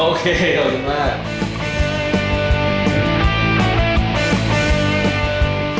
โอเคขอบคุณมาก